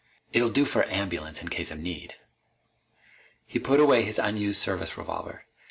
It'll do for a ambulance, in case of need." He put away his unused service revolver.